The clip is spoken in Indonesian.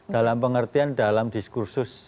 dalam pengertian dalam diskursus